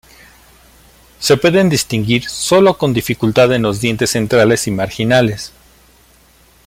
Se pueden distinguir sólo con dificultad en los dientes centrales y marginales.